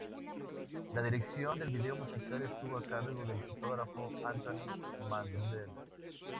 La dirección del video musical estuvo a cargo del fotógrafo Anthony Mandler.